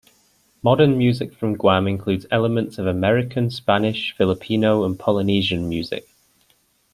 Modern music from Guam includes elements of American, Spanish, Filipino and Polynesian music.